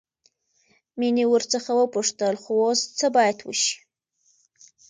مينې ورڅخه وپوښتل خو اوس څه بايد وشي.